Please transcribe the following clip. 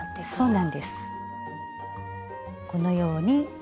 そうなんです。